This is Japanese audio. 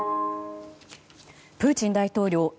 プーチン大統領